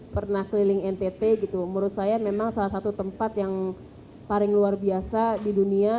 pernah keliling ntt gitu menurut saya memang salah satu tempat yang paling luar biasa di dunia